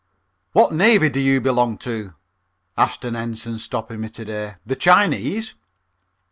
_ "What navy do you belong to?" asked an Ensign, stopping me to day, "the Chinese?"